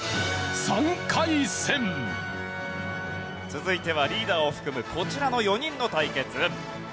続いてはリーダーを含むこちらの４人の対決。